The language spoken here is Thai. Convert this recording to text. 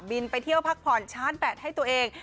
บินไปเที่ยวพักผ่อนชาร์จแปดให้ตัวเอง